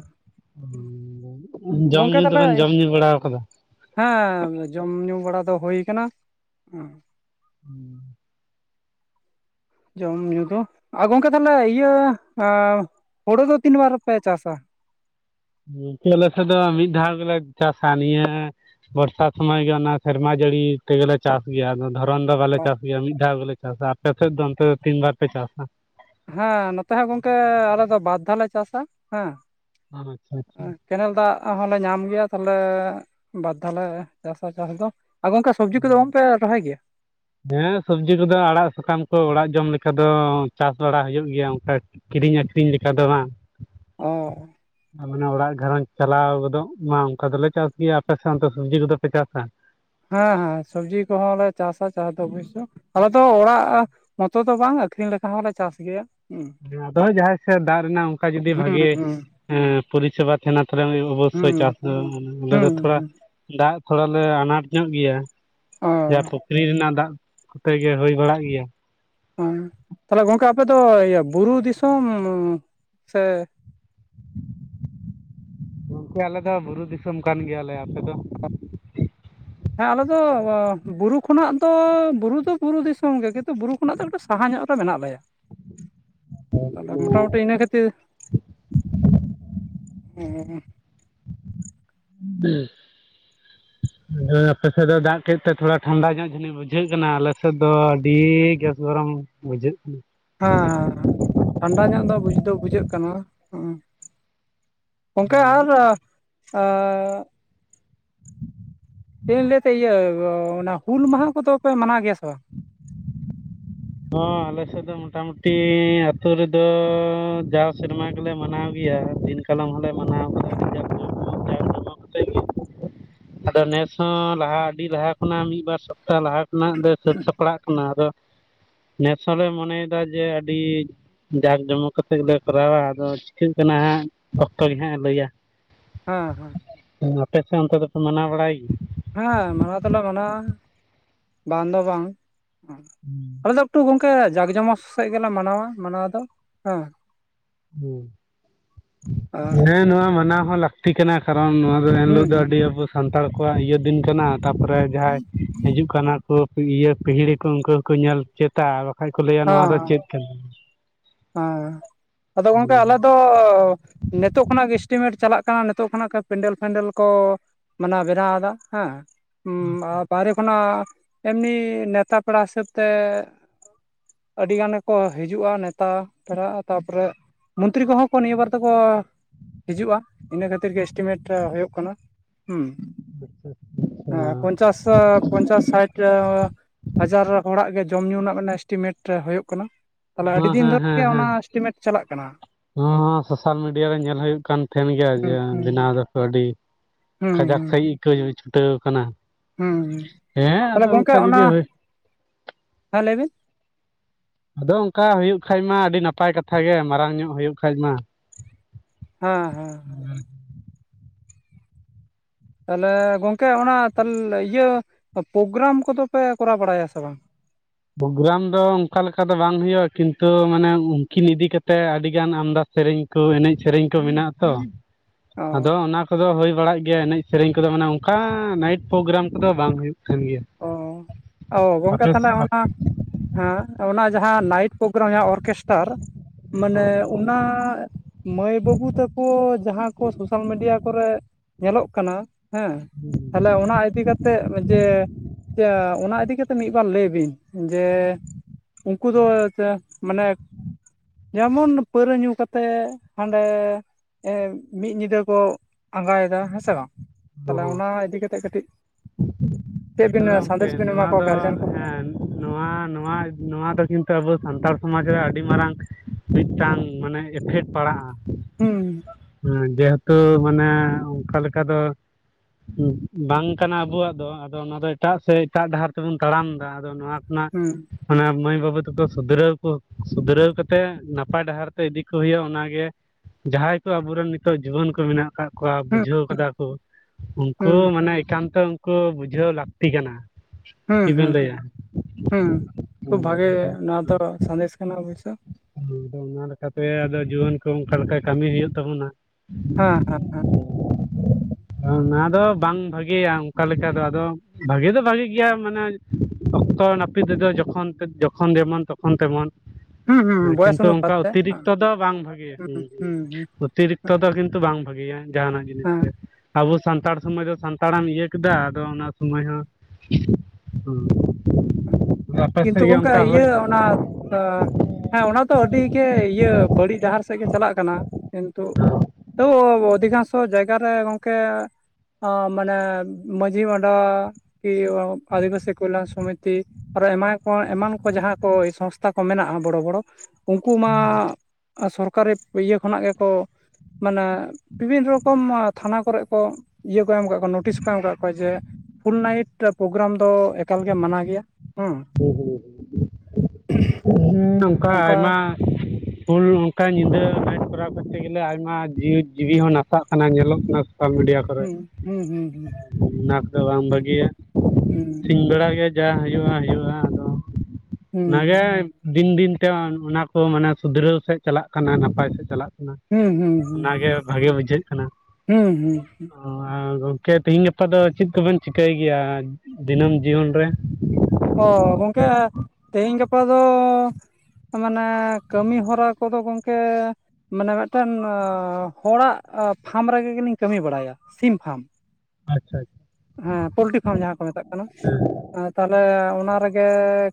[SPEAKER 2] ᱡᱚᱢ
[SPEAKER 1] ᱜᱚᱝᱠᱮ
[SPEAKER 2] ᱧᱩ ᱫᱚᱵᱮᱱ
[SPEAKER 1] ᱛᱟᱦᱚᱞᱮ
[SPEAKER 2] ᱡᱚᱢ ᱧᱩ ᱵᱟᱲᱟᱣ ᱠᱟᱫᱟ?
[SPEAKER 1] ᱦᱮᱸ ᱡᱚᱢ ᱧᱩ ᱵᱟᱲᱟ ᱫᱚ ᱦᱳᱭ ᱠᱟᱱᱟ᱾
[SPEAKER 2] [inaudible]
[SPEAKER 1] ᱡᱚᱢ ᱧᱩ ᱫᱚ ᱟ ᱜᱚᱝᱠᱮ ᱛᱟᱦᱞᱮ ᱤᱭᱟᱹ ᱮᱸ ᱦᱳᱲᱳ ᱫᱚ ᱛᱤᱱ ᱵᱟᱨ ᱯᱮ ᱪᱟᱥᱟ?
[SPEAKER 2] ᱜᱚᱝᱠᱮ ᱟᱞᱮ ᱥᱮᱫ ᱫᱚ ᱢᱤᱫ ᱫᱷᱟᱣ ᱜᱮᱞᱮ ᱪᱟᱥᱟ ᱱᱤᱭᱟᱹ ᱵᱚᱨᱥᱟ ᱥᱚᱢᱚᱭ ᱜᱮ ᱚᱱᱟ ᱥᱮᱨᱢᱟ ᱡᱟᱹᱲᱤ ᱛᱮᱜᱮ ᱞᱮ ᱪᱟᱥ ᱜᱮᱭᱟ ᱟᱫᱚ᱾ ᱫᱷᱟᱨᱚᱱ ᱫᱚ ᱵᱟᱞᱮ ᱪᱟᱥ ᱜᱮᱭᱟ, ᱢᱤᱫ ᱫᱷᱟᱣ ᱜᱮᱞᱮ ᱪᱟᱥᱟ᱾ ᱟᱯᱮ ᱥᱮᱫ ᱫᱚ ᱚᱱᱛᱮ ᱫᱚ ᱛᱤᱱ ᱵᱟᱨ ᱯᱮ ᱪᱟᱥᱟ?
[SPEAKER 1] ᱦᱮᱸ ᱱᱚᱛᱮ ᱦᱟᱸᱜ ᱜᱚᱝᱠᱮ ᱟᱞᱮ ᱫᱚ ᱵᱟᱨᱫᱷᱟᱣ ᱞᱮ ᱪᱟᱥᱟ ᱦᱮᱸ᱾
[SPEAKER 2] ᱟᱪᱪᱷᱟ ᱟᱪᱪᱷᱟ
[SPEAKER 1] ᱠᱮᱱᱮᱞ ᱫᱟᱜ ᱦᱚᱸᱞᱮ ᱧᱟᱢ ᱜᱮᱭᱟ ᱛᱟᱦᱞᱮ ᱵᱟᱫᱫᱷᱟᱞᱮ ᱪᱟᱥᱟ ᱪᱟᱥ ᱫᱚ᱾ ᱟ ᱜᱚᱝᱠᱮ ᱥᱚᱵᱽᱡᱤ ᱠᱩᱫᱚ ᱵᱟᱝᱯᱮ ᱨᱚᱦᱚᱭ ᱜᱮᱭᱟ?
[SPEAKER 2] ᱦᱮᱸ ᱥᱚᱵᱽᱡᱤ ᱠᱚᱫᱚ ᱟᱲᱟᱜ ᱥᱟᱠᱟᱢ ᱠᱚ ᱚᱲᱟᱜ ᱡᱚᱢ ᱞᱮᱠᱟ ᱫᱚ ᱪᱟᱥ ᱵᱟᱲᱟ ᱦᱩᱭᱩᱜ ᱜᱮᱭᱟ ᱚᱝᱠᱟ ᱜᱮ᱾ ᱠᱤᱨᱤᱧ ᱟᱹᱠᱷᱨᱤᱧ ᱞᱮᱠᱟ ᱫᱚ ᱵᱟᱝ᱾
[SPEAKER 1] ᱚ
[SPEAKER 2] ᱢᱟᱱᱮ ᱚᱲᱟᱜ ᱜᱷᱟᱨᱚᱸᱡᱽ ᱪᱟᱞᱟᱣ ᱜᱚᱫᱚᱜ ᱢᱟ ᱚᱝᱠᱟ ᱫᱚᱞᱮ ᱪᱟᱥ ᱜᱮᱭᱟ᱾ ᱟᱯᱮ ᱥᱮᱜ ᱚᱱᱛᱮ ᱥᱚᱵᱽᱡᱤ ᱠᱚᱫᱚᱯᱮ ᱪᱟᱥᱟ?
[SPEAKER 1] ᱦᱮᱸ ᱦᱮᱸ ᱥᱚᱵᱽᱡᱤ ᱠᱚᱸᱦᱚᱸ ᱞᱮ ᱪᱟᱥᱟ ᱪᱟᱥ ᱫᱚ ᱚᱵᱚᱥᱭᱥᱚ ᱟᱞᱮ ᱫᱚ ᱚᱲᱟᱜ ᱢᱚᱛᱚ ᱫᱚ ᱵᱟᱝ ᱟᱹᱠᱷᱨᱤᱧ ᱞᱮᱠᱟ ᱦᱚᱸᱞᱮ ᱪᱟᱥ ᱜᱮᱭᱟ᱾ ᱦᱩᱸ
[SPEAKER 2] ᱟᱫᱚ ᱡᱟᱸᱦᱟᱸᱭ ᱥᱮᱜ ᱫᱟᱜ ᱨᱮᱱᱟᱜ ᱚᱝᱠᱟ ᱡᱩᱫᱤ
[SPEAKER 1] ᱦᱩᱸ
[SPEAKER 2] ᱵᱷᱟᱜᱮ
[SPEAKER 1] ᱦᱩᱸ
[SPEAKER 2] ᱮᱸ ᱯᱚᱨᱤᱥᱮᱵᱟ ᱛᱟᱦᱮᱱᱟ ᱛᱟᱦᱞᱮ ᱚᱵᱚᱥᱥᱳᱭ
[SPEAKER 1] ᱦᱩᱸ
[SPEAKER 2] ᱪᱟᱥ ᱫᱚ ᱟᱞᱮ ᱫᱚ
[SPEAKER 1] ᱦᱩᱸ
[SPEAKER 2] ᱛᱷᱚᱲᱟ
[SPEAKER 1] ᱦᱩᱸ
[SPEAKER 2] ᱫᱟᱜ ᱛᱷᱚᱲᱟ ᱞᱮ ᱟᱱᱟᱴ ᱧᱚᱜ ᱜᱮᱭᱟ,
[SPEAKER 1] ᱚ
[SPEAKER 2] ᱡᱟ ᱯᱩᱠᱷᱨᱤ ᱨᱮᱱᱟᱜ ᱫᱟᱜ ᱛᱮᱜᱮ ᱦᱳᱭ ᱵᱟᱲᱟᱜ ᱜᱮᱭᱟ᱾
[SPEAKER 1] ᱛᱟᱞᱦᱮ ᱜᱚᱝᱠᱮ ᱟᱯᱮ ᱫᱚ ᱤᱭᱟᱹ ᱵᱩᱨᱩ ᱫᱤᱥᱚᱢ ᱥᱮ
[SPEAKER 2] ᱜᱚᱢᱠᱮ ᱟᱞᱮ ᱫᱚ ᱵᱩᱨᱩ ᱫᱤᱥᱚᱢ ᱠᱟᱱ ᱜᱮᱭᱟᱞᱮ ᱟᱯᱮ ᱫᱚ
[SPEAKER 1] [inaudible] ᱦᱮᱸ ᱟᱞᱮᱫᱚ ᱵᱩᱨᱩ ᱠᱷᱚᱱᱟᱜ ᱫᱚ ᱵᱩᱨᱩ ᱫᱚ ᱵᱩᱨᱩ ᱫᱤᱥᱚᱢ ᱜᱮ ᱠᱤᱱᱛᱩ ᱵᱩᱨᱩ ᱠᱷᱚᱱᱟᱜ ᱫᱚ ᱮᱠᱴᱩ ᱥᱟᱦᱟ ᱧᱚᱜ ᱨᱮ ᱢᱮᱱᱟᱜ ᱞᱮᱭᱟ ᱛᱟᱞᱦᱮ ᱢᱚᱴᱟᱢᱩᱴᱤ ᱤᱱᱟᱹ ᱠᱷᱟᱹᱛᱤᱨ ᱩᱸᱻ
[SPEAKER 2] [inaudible]
[SPEAKER 1] [unintelligible]
[SPEAKER 2] ᱦᱮᱸ ᱟᱯᱮ ᱥᱮᱫ ᱫᱚ ᱫᱟᱜ ᱠᱮᱛ ᱛᱮ ᱛᱷᱚᱲᱟ ᱴᱷᱟᱱᱰᱟ ᱧᱚᱜ ᱡᱟᱹᱱᱤᱡ ᱵᱩᱡᱷᱟᱹᱜ ᱠᱟᱱᱟ ᱟᱞᱮ ᱥᱮᱫ ᱫᱚ ᱟᱰᱤ ᱜᱮᱥ ᱜᱚᱨᱚᱢ ᱵᱩᱡᱷᱟᱹᱜ ᱠᱟᱱᱟ
[SPEAKER 1] ᱦᱮᱸ ᱦᱮᱸ ᱦᱮᱸ ᱴᱷᱟᱱᱰᱟ ᱧᱚᱜ ᱫᱚ ᱵᱩᱡ ᱫᱚ ᱵᱩᱡᱷᱟᱹᱜ ᱠᱟᱱᱟ ᱦᱩᱸ ᱜᱚᱝᱠᱮ ᱟᱨ
[SPEAKER 2] ᱦᱚᱸ
[SPEAKER 1] ᱟᱸᱻ ᱪᱮᱜ ᱤᱧ ᱞᱟᱹᱭᱛᱮ ᱤᱭᱟᱹ ᱚᱱᱟ ᱦᱩᱞ ᱢᱟᱦᱟ ᱠᱚᱫᱚ ᱯᱮ ᱢᱟᱱᱟᱣ ᱜᱮᱭᱟ ᱥᱮ ᱵᱟᱝ
[SPEAKER 2] ᱦᱚᱸ ᱟᱞᱮ ᱥᱮᱫ ᱫᱚ ᱢᱚᱴᱟᱢᱩᱴᱤ ᱟᱛᱩ ᱨᱮᱫᱚ ᱡᱟᱣ ᱥᱮᱨᱢᱟ ᱜᱮᱞᱮ ᱢᱟᱱᱟᱣ, ᱜᱤᱭᱟᱹ ᱫᱤᱱ ᱠᱟᱞᱚᱢ ᱦᱚᱸᱞᱮ ᱢᱟᱱᱟᱣ ᱠᱟᱫᱟ ᱡᱟᱠ ᱡᱚᱢᱚᱠ ᱠᱟᱛᱮᱫ ᱜᱮ ᱟᱫᱚ ᱱᱮᱥ ᱦᱚᱸ ᱞᱟᱦᱟ ᱟᱹᱰᱤ ᱞᱟᱦᱟ ᱠᱷᱚᱱᱟᱜ ᱢᱤᱫ ᱵᱟᱨ ᱥᱚᱯᱛᱟ ᱞᱟᱦᱟ ᱠᱷᱚᱱᱟᱜ ᱫᱚ ᱥᱟᱹᱛ ᱥᱟᱯᱲᱟᱜ ᱠᱟᱱᱟ ᱟᱫᱚ ᱱᱮᱥ ᱦᱚᱸᱞᱮ ᱢᱚᱱᱮᱭᱮᱫᱟ ᱡᱮ ᱟᱹᱰᱤ ᱡᱟᱠ ᱡᱚᱢᱚᱠ ᱠᱟᱛᱮᱫ ᱜᱮᱞᱮ ᱠᱚᱨᱟᱣᱟ ᱟᱫᱚ ᱪᱤᱠᱟᱹᱜ ᱠᱟᱱᱟ ᱦᱟᱸᱜ ᱚᱠᱛᱚ ᱜᱮ ᱦᱟᱸᱜ-ᱮ ᱞᱟᱹᱭᱟ
[SPEAKER 1] ᱦᱮᱸ ᱦᱮᱸ
[SPEAKER 2] ᱦᱮᱸ ᱟᱯᱮ ᱥᱮᱫ ᱚᱱᱛᱮ ᱫᱚᱯᱮ ᱢᱟᱱᱟᱣ ᱵᱟᱲᱟᱭ ᱜᱮᱭᱟ
[SPEAKER 1] ᱦᱮᱸ ᱢᱟᱱᱟᱣ ᱫᱚᱞᱮ ᱢᱟᱱᱟᱣᱟ ᱵᱟᱝ ᱫᱚ ᱵᱟᱝ
[SPEAKER 2] [unintelligible]
[SPEAKER 1] ᱟᱞᱮ ᱫᱚ ᱮᱠᱴᱩ ᱜᱚᱝᱠᱮ ᱡᱟᱠ ᱡᱚᱢᱚᱠ ᱥᱟᱦᱤᱡ ᱜᱮᱞᱮ ᱢᱟᱱᱟᱣᱟ ᱢᱟᱱᱟᱣ ᱫᱚ ᱦᱮᱸ
[SPEAKER 2] ᱦᱩᱸ ᱱᱚᱣᱟ ᱢᱟᱱᱟᱣ ᱦᱚᱸ ᱞᱟᱹᱠᱛᱤ ᱠᱟᱱᱟ ᱠᱟᱨᱚᱱ ᱱᱚᱣᱟ ᱮᱱᱦᱤᱞᱳᱜ
[SPEAKER 1] ᱦᱩᱸ
[SPEAKER 2] ᱫᱚ ᱟᱹᱰᱤ ᱟᱵᱚ ᱥᱟᱱᱛᱟᱲ ᱠᱚᱣᱟᱜ ᱤᱭᱟᱹ ᱫᱤᱱ ᱠᱟᱱᱟ ᱛᱟᱯᱚᱨᱮ ᱡᱟᱦᱟᱸᱭ ᱦᱤᱡᱩᱜ ᱠᱟᱱᱟ ᱠᱩ ᱤᱭᱟᱹ ᱯᱤᱦᱲᱤ ᱠᱚ ᱩᱱᱠᱩ ᱦᱚᱸᱠᱚ ᱧᱮᱞ ᱪᱮᱫᱟ ᱵᱟᱠᱷᱟᱡ ᱠᱚ ᱞᱟᱹᱭᱟ ᱱᱚᱣᱟ
[SPEAKER 1] ᱦᱮᱸ
[SPEAKER 2] ᱫᱚ ᱪᱮᱫ ᱠᱟᱱᱟ
[SPEAKER 1] ᱦᱮᱸ ᱟᱫᱚ ᱜᱚᱢᱠᱮ ᱟᱞᱮ ᱫᱚ ᱱᱤᱛᱚᱜ ᱠᱷᱚᱱᱟᱜ ᱜᱮ ᱮᱥᱴᱤᱢᱮᱴ ᱪᱟᱞᱟᱜ ᱠᱟᱱᱟ ᱱᱤᱛᱚᱜ ᱠᱷᱚᱱᱟᱜ ᱜᱮ ᱯᱮᱱᱰᱮᱞ ᱯᱷᱮᱱᱰᱮᱞ ᱠᱚ ᱢᱟᱱᱮ ᱵᱮᱱᱟᱣᱫᱟ ᱦᱮᱸ ᱵᱟᱦᱨᱮ ᱠᱷᱚᱱᱟᱜ ᱮᱢᱱᱤ ᱱᱮᱣᱛᱟ ᱯᱮᱲᱟ ᱦᱤᱥᱟᱹᱵ ᱛᱮ ᱟᱹᱰᱤ ᱜᱟᱱ ᱜᱮᱠᱚ ᱦᱤᱡᱩᱜᱼᱟ ᱱᱮᱣᱛᱟ ᱯᱮᱲᱟ ᱛᱟᱯᱚᱨᱮ ᱢᱚᱱᱛᱨᱤ ᱠᱚᱦᱚᱸ ᱠᱚ ᱱᱤᱭᱟᱹ ᱵᱟᱨ ᱫᱚᱠᱚ ᱦᱤᱡᱩᱜᱼᱟ ᱤᱱᱟᱹ ᱠᱷᱟᱹᱛᱤᱨ ᱜᱮ ᱮᱥᱴᱤᱢᱮᱴ ᱫᱚ ᱦᱩᱭᱩᱜ ᱠᱟᱱᱟ ᱦᱩᱸ
[SPEAKER 2] ᱟᱪᱪᱷᱟ ᱟᱪᱪᱷᱟ
[SPEAKER 1] ᱦᱮᱸ ᱯᱚᱧᱪᱟᱥᱥᱚ ᱯᱚᱧᱪᱟᱥ ᱥᱟᱴ ᱦᱟᱡᱟᱨ ᱦᱚᱲᱟᱜ ᱜᱮ ᱡᱚᱢ ᱧᱩ ᱨᱮᱱᱟᱜ ᱮᱥᱴᱤᱢᱮᱴ ᱦᱩᱭᱩᱜ ᱠᱟᱱᱟ ᱛᱟᱦᱚᱞᱮ ᱟᱹᱰᱤ ᱫᱤᱱ
[SPEAKER 2] ᱦᱮᱸ ᱦᱮᱸ
[SPEAKER 1] ᱫᱷᱚᱨᱮ
[SPEAKER 2] ᱦᱮᱸ
[SPEAKER 1] ᱜᱮ ᱚᱱᱟ
[SPEAKER 2] ᱦᱮᱸ
[SPEAKER 1] ᱮᱥᱴᱤᱢᱮᱴ ᱪᱟᱞᱟᱜ ᱠᱟᱱᱟ
[SPEAKER 2] ᱦᱚᱸ ᱥᱳᱥᱟᱞ ᱢᱤᱰᱤᱭᱟ ᱨᱮ ᱧᱮᱞ ᱦᱩᱭᱩᱜ ᱠᱟᱱ ᱛᱟᱦᱮᱸᱱ ᱜᱮᱭᱟ
[SPEAKER 1] ᱦᱩᱸ
[SPEAKER 2] ᱡᱮ
[SPEAKER 1] ᱦᱩᱸ
[SPEAKER 2] ᱵᱮᱱᱟᱣ ᱫᱟᱠᱚ ᱟᱹᱰᱤ
[SPEAKER 1] ᱦᱩᱸ
[SPEAKER 2] ᱠᱟᱡᱟᱠ
[SPEAKER 1] ᱦᱩᱸ
[SPEAKER 2] ᱥᱟᱸᱦᱤᱡ ᱜᱮᱠᱚ ᱪᱷᱩᱴᱟᱹᱣ ᱠᱟᱱᱟ
[SPEAKER 1] ᱦᱩᱸ
[SPEAKER 2] ᱦᱮᱸ
[SPEAKER 1] ᱛᱟᱦᱚᱞᱮ
[SPEAKER 2] ᱟᱫᱚ
[SPEAKER 1] ᱜᱚᱝᱠᱮ
[SPEAKER 2] ᱚᱱᱠᱟ
[SPEAKER 1] ᱚᱱᱟ
[SPEAKER 2] ᱡᱩᱫᱤ ᱦᱩᱭ
[SPEAKER 1] ᱦᱮᱸ ᱞᱟᱹᱭ ᱵᱤᱱ
[SPEAKER 2] ᱟᱫᱚ ᱚᱱᱠᱟ ᱦᱩᱭᱩᱜ ᱠᱷᱟᱡ ᱢᱟ ᱟᱹᱰᱤ ᱱᱟᱯᱟᱭ ᱠᱟᱛᱷᱟ ᱜᱮ ᱢᱟᱨᱟᱝ ᱧᱚᱜ ᱦᱩᱭᱩᱜ ᱠᱷᱟᱡ ᱢᱟ
[SPEAKER 1] ᱦᱮᱸ ᱦᱮᱸ ᱛᱟᱦᱚᱞᱮ ᱜᱚᱝᱠᱮ ᱚᱱᱟ ᱛᱟᱦᱞᱮ ᱤᱭᱟᱹ ᱯᱨᱳᱜᱨᱟᱢ ᱠᱚᱫᱚ ᱯᱮ ᱠᱚᱨᱟᱣ ᱵᱟᱲᱟᱭᱟ ᱥᱮ ᱵᱟᱝ
[SPEAKER 2] ᱯᱨᱳᱜᱨᱟᱢ ᱫᱚ ᱚᱱᱠᱟ ᱞᱮᱠᱟ ᱫᱚ ᱵᱟᱝ ᱦᱩᱭᱩᱜᱼᱟ ᱠᱤᱱᱛᱩ ᱢᱟᱱᱮ ᱩᱱᱠᱤᱱ ᱤᱫᱤ ᱠᱟᱛᱮ ᱟᱹᱰᱤᱜᱟᱱ ᱟᱢᱫᱟ ᱥᱮᱨᱮᱧ ᱠᱚ ᱮᱱᱮᱡ ᱥᱮᱨᱮᱧ ᱠᱚ ᱢᱮᱱᱟᱜᱼᱟ ᱛᱚ
[SPEAKER 1] ᱚ
[SPEAKER 2] ᱟᱫᱚ ᱚᱱᱟ ᱠᱚ ᱠᱚᱫᱚ ᱦᱳᱭ ᱵᱟᱲᱟᱜ ᱜᱮᱭᱟ ᱮᱱᱮᱡ ᱥᱮᱨᱮᱧ ᱠᱚᱫᱚ ᱢᱟᱱᱮ ᱚᱱᱠᱟ ᱱᱟᱭᱤᱴ ᱯᱨᱳᱜᱨᱟᱢ ᱠᱚᱫᱚ ᱵᱟᱝ ᱦᱩᱭᱩᱜ ᱠᱟᱱ ᱜᱮᱭᱟ
[SPEAKER 1] ᱚ ᱚ ᱜᱚᱝᱠᱮ
[SPEAKER 2] ᱟᱯᱮ
[SPEAKER 1] ᱛᱟᱦᱚᱞᱮ
[SPEAKER 2] ᱥᱮᱫ
[SPEAKER 1] ᱚᱱᱟ ᱦᱮᱸ ᱚᱱᱟ ᱡᱟᱦᱟᱸ ᱱᱟᱭᱤᱴ ᱯᱨᱳᱜᱨᱟᱢ ᱡᱟᱦᱟ ᱚᱨᱠᱮᱥᱴᱟᱨ ᱢᱟᱱᱮ ᱚᱱᱟ ᱢᱟᱹᱭ ᱵᱟᱹᱵᱩ ᱛᱟᱠᱚ ᱡᱟᱦᱟᱸ ᱠᱚ ᱥᱳᱥᱟᱞ ᱢᱤᱰᱤᱭᱟ ᱠᱚᱨᱮ ᱧᱮᱞᱚᱜ ᱠᱟᱱᱟ ᱦᱮᱸ
[SPEAKER 2] ᱦᱩᱸ
[SPEAKER 1] ᱛᱟᱦᱚᱞᱮ ᱚᱱᱟ ᱤᱫᱤ ᱠᱟᱛᱮᱫ ᱡᱮ ᱚᱱᱟ ᱤᱫᱤ ᱠᱟᱛᱮᱫ ᱢᱤᱫᱵᱟᱨ ᱞᱟᱹᱭ ᱵᱤᱱ ᱡᱮ ᱩᱱᱠᱩ ᱫᱚ [inaudible] ᱢᱟᱱᱮ ᱡᱮᱢᱚᱱ ᱯᱟᱹᱣᱨᱟᱹ ᱧᱩ ᱠᱟᱛᱮ ᱦᱟᱸᱰᱮ ᱢᱤᱫ ᱧᱤᱫᱟᱹ ᱠᱚ ᱟᱸᱜᱟᱭᱮᱫᱟ ᱦᱮᱸᱥᱮ ᱵᱟᱝ
[SPEAKER 2] ᱚ
[SPEAKER 1] ᱛᱟᱦᱞᱮ
[SPEAKER 2] ᱦᱚᱸ
[SPEAKER 1] ᱚᱱᱟ ᱤᱫᱤ ᱠᱟᱛᱮᱜ ᱠᱟᱹᱴᱤᱡ? ᱪᱮᱫ ᱵᱤᱱ
[SPEAKER 2] ᱦᱮᱸ ᱜᱚᱝᱠᱮ
[SPEAKER 1] ᱥᱟᱸᱫᱮᱥ ᱵᱤᱱ ᱮᱢᱟ
[SPEAKER 2] ᱱᱚᱣᱟ
[SPEAKER 1] ᱠᱚᱣᱟ
[SPEAKER 2] ᱫᱚ
[SPEAKER 1] ᱜᱟᱨᱡᱮᱱ ᱠᱚ
[SPEAKER 2] ᱦᱮᱸ ᱱᱚᱣᱟ ᱱᱚᱣᱟ ᱱᱚᱣᱟ ᱫᱚ ᱠᱤᱱᱛᱩ ᱟᱵᱚ ᱥᱟᱱᱛᱟᱲ ᱥᱚᱢᱟᱡᱽ ᱨᱮ ᱟᱹᱰᱤ ᱢᱟᱨᱟᱝ ᱢᱤᱫᱴᱟᱝ ᱢᱟᱱᱮ ᱮᱯᱷᱮᱠᱴ ᱯᱟᱲᱟᱜᱼᱟ ᱾
[SPEAKER 1] ᱦᱩᱸ ᱾
[SPEAKER 2] ᱦᱮᱸ ᱡᱮᱦᱮᱛᱩ ᱢᱟᱱᱮ ᱚᱱᱠᱟ ᱞᱮᱠᱟ ᱫᱚ ᱵᱟᱝ ᱠᱟᱱᱟ ᱟᱵᱚᱣᱟᱜ ᱫᱚ ᱟᱫᱚ ᱱᱚᱣᱟ ᱫᱚ ᱮᱴᱟᱜ ᱥᱮ ᱮᱴᱟᱜ ᱰᱟᱦᱟᱨ ᱛᱮᱵᱚᱱ ᱛᱟᱲᱟᱢ ᱫᱟ ᱟᱫᱚ ᱱᱚᱣᱟ ᱠᱷᱚᱱᱟᱜ
[SPEAKER 1] ᱦᱩᱸ
[SPEAKER 2] ᱚᱱᱟ ᱢᱟᱹᱭ ᱵᱟᱹᱵᱩ ᱛᱟᱠᱚ ᱥᱩᱫᱷᱨᱟᱹᱣ ᱠᱚ ᱥᱩᱫᱷᱨᱟᱹᱣ ᱠᱟᱛᱮ ᱱᱟᱯᱟᱭ ᱰᱟᱦᱟᱨ ᱛᱮ ᱤᱫᱤ ᱠᱚ ᱦᱩᱭᱩᱜᱼᱟ ᱚᱱᱟ ᱜᱮ ᱡᱟᱦᱟᱸᱭ ᱠᱚ ᱟᱵᱚᱨᱮᱱ ᱱᱤᱛᱚᱜ ᱡᱩᱣᱟᱹᱱ ᱠᱚ ᱢᱮᱱᱟᱜ ᱠᱚᱣᱟ ᱟᱠᱟᱫ ᱠᱚᱣᱟ
[SPEAKER 1] ᱦᱩᱸ
[SPEAKER 2] ᱵᱩᱡᱷᱟᱹᱣ ᱠᱟᱫᱟ ᱠᱚ ᱩᱱᱠᱩ
[SPEAKER 1] ᱦᱩᱸ
[SPEAKER 2] ᱢᱟᱱᱮ ᱮᱠᱟᱱᱛᱚ ᱩᱱᱠᱩ ᱵᱩᱡᱷᱟᱹᱣ ᱞᱟᱹᱠᱛᱤ ᱠᱟᱱᱟ ᱾
[SPEAKER 1] ᱦᱩᱸ ᱦᱩᱸ ᱦᱩᱸ ᱠᱷᱩᱵ
[SPEAKER 2] ᱦᱮᱸ
[SPEAKER 1] ᱵᱷᱟᱜᱮ
[SPEAKER 2] ᱟᱫᱚ
[SPEAKER 1] ᱱᱚᱣᱟ ᱫᱚ ᱥᱟᱸᱫᱮᱥ ᱠᱟᱱᱟ ᱚᱵᱚᱥᱥᱚᱭ [unintelligible]
[SPEAKER 2] ᱟᱫᱚ ᱚᱱᱟ ᱞᱮᱠᱟᱛᱮ ᱟᱫᱚ ᱡᱩᱣᱟᱹᱱ ᱠᱚ ᱚᱱᱠᱟ ᱞᱮᱠᱟ ᱠᱟᱹᱢᱤ ᱦᱩᱭᱩᱜ ᱛᱟᱵᱚᱱᱟ
[SPEAKER 1] ᱦᱮᱸ ᱦᱮᱸ ᱦᱮᱸ ᱾
[SPEAKER 2] ᱚᱱᱟ ᱫᱚ ᱵᱟᱝ ᱵᱷᱟᱜᱤᱭᱟ ᱚᱱᱠᱟ ᱞᱮᱠᱟ ᱫᱚ ᱟᱫᱚ ᱵᱷᱟᱜᱤ ᱫᱚ ᱵᱷᱟᱹᱜᱤ ᱜᱮᱭᱟ ᱢᱟᱱᱮ ᱚᱠᱛᱚ ᱱᱟᱹᱯᱤᱛ ᱛᱮ ᱫᱚ ᱡᱚᱠᱷᱚᱱ ᱡᱚᱠᱷᱚᱱ ᱡᱮᱢᱚᱱ ᱛᱚᱠᱷᱚᱱ ᱛᱮᱢᱚᱱ ᱾
[SPEAKER 1] ᱦᱩᱸ ᱦᱩᱸ
[SPEAKER 2] ᱦᱮᱸ
[SPEAKER 1] ᱵᱚᱭᱮᱥ
[SPEAKER 2] ᱠᱤᱱᱛᱩ ᱚᱱᱠᱟ
[SPEAKER 1] ᱚᱱᱩᱯᱟᱛ ᱛᱮ
[SPEAKER 2] ᱚᱛᱤᱨᱤᱠᱛᱚ ᱫᱚ ᱵᱟᱝ ᱵᱷᱟᱹᱜᱤᱭᱟ ᱦᱩᱸ ᱚᱛᱤᱨᱤᱠᱛᱚ ᱫᱚ ᱠᱤᱱᱛᱩ ᱵᱟᱝ ᱵᱷᱟᱜᱮᱤᱭᱟ ᱡᱟᱦᱟᱱᱟᱜ ᱡᱤᱱᱤᱥ
[SPEAKER 1] ᱦᱮᱸ
[SPEAKER 2] ᱜᱮ ᱟᱵᱚ ᱥᱟᱱᱛᱟᱲ ᱥᱚᱢᱟᱡ ᱫᱚ ᱥᱟᱱᱛᱟᱲᱟᱢ ᱤᱭᱟᱹ ᱠᱮᱫᱟ ᱟᱫᱚ ᱚᱱᱟ ᱥᱚᱢᱚᱭ ᱦᱚᱸ ᱦᱸ [inaudible]
[SPEAKER 1] ᱠᱤᱱᱛᱩ ᱜᱚᱢᱠᱟ ᱤᱭᱟᱹ ᱚᱱᱟ ᱦᱮᱸ ᱚᱱᱟ ᱫᱚ ᱟᱹᱰᱤ ᱜᱮ ᱤᱭᱟᱹ ᱵᱟᱹᱲᱤᱡ ᱰᱟᱦᱟᱨ ᱥᱮᱫ ᱜᱮ ᱪᱟᱞᱟᱜ ᱠᱟᱱᱟ ᱾ ᱠᱤᱱᱛᱩ ᱛᱚ ᱚᱫᱤᱠᱟᱝᱥᱚ ᱡᱟᱭᱜᱟ ᱨᱮ ᱜᱚᱝᱠᱮ ᱢᱟᱱᱮ ᱢᱟᱹᱡᱷᱤ ᱢᱟᱰᱚᱣ ᱠᱤ ᱟᱫᱤᱵᱟᱥᱤ ᱠᱚᱞᱭᱟᱱ ᱥᱚᱢᱤᱛᱤ ᱟᱨᱚ ᱮᱢᱟᱭ ᱠᱚ ᱮᱢᱟᱱ ᱠᱚ ᱡᱟᱦᱟᱸ ᱠᱚ ᱥᱚᱝᱥᱛᱟ ᱠᱚ ᱢᱮᱱᱟᱜᱼᱟ ᱵᱚᱲᱚ ᱵᱚᱲᱚ ᱩᱱᱠᱩ ᱢᱟ ᱥᱚᱨᱠᱟᱨᱤ ᱤᱭᱟᱹ ᱠᱷᱚᱱᱟᱜ ᱜᱮᱠᱚ ᱢᱟᱱᱮ ᱵᱤᱵᱷᱤᱱ ᱨᱚᱠᱚᱢ ᱛᱷᱟᱱᱟ ᱠᱚᱨᱮ ᱠᱚ ᱤᱭᱟᱹ ᱠᱚ ᱮᱢ ᱟᱠᱟᱫ ᱠᱚᱣᱟ ᱱᱚᱴᱤᱥ ᱠᱚ ᱮᱢ ᱟᱠᱟᱫ ᱠᱚᱣᱟ ᱡᱮ ᱯᱷᱩᱞ ᱱᱟᱭᱤᱴ ᱯᱨᱚᱜᱨᱟᱢ ᱫᱚ ᱮᱠᱟᱞ ᱜᱮ ᱢᱟᱱᱟ ᱜᱮᱭᱟ ᱾ ᱦᱩᱸ
[SPEAKER 2] ᱦᱩᱸ ᱱᱚᱝᱠᱟ
[SPEAKER 1] ᱚᱱᱠᱟ
[SPEAKER 2] ᱟᱭᱢᱟ
[SPEAKER 1] [inaudible]
[SPEAKER 2] ᱦᱩᱞ ᱚᱱᱠᱟ ᱧᱤᱫᱟᱹ ᱞᱟᱭᱤᱱ ᱠᱚᱨᱟᱣ [unintelligible] ᱠᱟᱛᱮ ᱜᱮᱞᱮ ᱟᱭᱢᱟ ᱡᱤᱣᱤ ᱡᱤᱣᱤ ᱦᱚᱸ ᱱᱟᱥᱟᱜ ᱠᱟᱱᱟ ᱧᱮᱞᱚᱜ ᱠᱟᱱᱟ ᱥᱳᱥᱟᱞ ᱢᱤᱰᱤᱭᱟ ᱠᱚ
[SPEAKER 1] ᱦᱩᱸ ᱦᱩᱸ ᱦᱩᱸ
[SPEAKER 2] ᱚᱱᱟ ᱠᱚᱫᱚ ᱵᱟᱝ ᱵᱷᱟᱹᱜᱤᱭᱟ
[SPEAKER 1] ᱦᱩᱸ
[SPEAKER 2] ᱥᱤᱧ ᱵᱮᱲᱟ ᱜᱮ ᱡᱟ ᱦᱩᱭᱩᱜᱼᱟ ᱦᱩᱭᱩᱜ
[SPEAKER 1] ᱦᱩᱸ
[SPEAKER 2] ᱚᱱᱟᱜᱮ ᱫᱤᱱ ᱫᱤᱱ ᱛᱮ ᱚᱱᱟ ᱠᱚ ᱢᱟᱱᱮ ᱥᱩᱫᱷᱨᱟᱹᱣ ᱥᱮᱡ ᱪᱟᱞᱟᱜ ᱠᱟᱱᱟ ᱱᱟᱯᱟᱭ ᱥᱮᱡ ᱪᱟᱞᱟᱜ ᱠᱟᱱᱟ
[SPEAKER 1] ᱦᱩᱸ ᱦᱩᱸ ᱦᱩᱸ ᱦᱩᱸ
[SPEAKER 2] ᱾
[SPEAKER 1] ᱦᱩᱸ
[SPEAKER 2] ᱚᱱᱟᱜᱮ ᱵᱷᱟᱜᱮ ᱵᱩᱡᱷᱟᱹᱜ ᱠᱟᱱᱟ
[SPEAKER 1] ᱦᱩᱸ ᱦᱩᱸ
[SPEAKER 2] ᱾ ᱚ ᱜᱚᱝᱠᱮ ᱛᱤᱦᱤᱧ ᱜᱟᱯᱟ ᱫᱚ ᱪᱮᱫ ᱠᱚᱵᱮᱱ ᱪᱤᱠᱟᱹᱭ ᱜᱮᱭᱟ ᱫᱤᱱᱟᱹᱢ ᱡᱤᱭᱚᱱ ᱨᱮ?
[SPEAKER 1] ᱚ ᱜᱚᱝᱠᱮ ᱛᱮᱦᱤᱧ ᱜᱟᱯᱟ ᱫᱚ ᱢᱟᱱᱮ ᱠᱟᱹᱢᱤ ᱦᱚᱨᱟ ᱠᱚᱫᱚ ᱜᱚᱝᱠᱮ ᱢᱟᱱᱮ ᱢᱤᱫᱴᱟᱱ ᱦᱚᱲᱟᱜ ᱯᱷᱟᱢ ᱨᱮ ᱜᱮ ᱞᱤᱧ ᱠᱟᱹᱢᱤ ᱵᱟᱲᱟᱭᱟ ᱥᱤᱢ ᱯᱷᱟᱢ ᱾
[SPEAKER 2] ᱟᱪᱪᱷᱟ ᱾
[SPEAKER 1] ᱦᱮᱸ ᱯᱚᱞᱴᱤ ᱯᱷᱟᱨᱢ ᱡᱟᱦᱟᱸ ᱠᱚ ᱢᱮᱛᱟᱜ ᱠᱟᱱᱟ ᱾ ᱛᱟᱦᱚᱞᱮ ᱚᱱᱟ ᱨᱮᱜᱮ